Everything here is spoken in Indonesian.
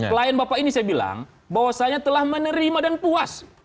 klien bapak ini saya bilang bahwasannya telah menerima dan puas